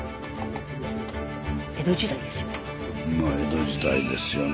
江戸時代ですよ。